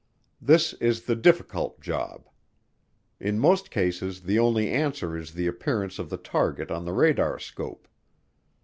This is the difficult job. In most cases the only answer is the appearance of the target on the radar scope.